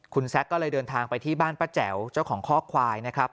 คุณแซคก็เลยเดินทางไปที่บ้านป้าแจ๋วเจ้าของข้อควายนะครับ